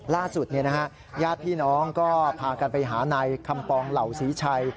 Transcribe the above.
ล่าสุดญาติพี่น้องก็พากันไปหานายคำปองเหล่าศรีชัย